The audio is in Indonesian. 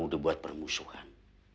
udah buat permusuhan